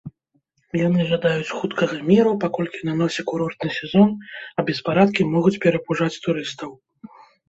Яны жадаюць хуткага міру, паколькі на носе курортны сезон, а беспарадкі могуць перапужаць турыстаў.